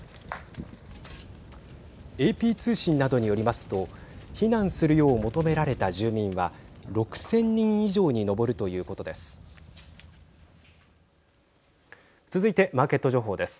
ＡＰ通信などによりますと避難するよう求められた住民は６０００人以上に上るということです。